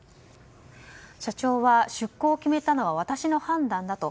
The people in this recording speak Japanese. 社長は出航を決めたのは私の判断だと。